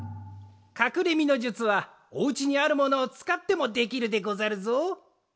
かくれ身の術はお家にあるものをつかってもできるでござるぞ。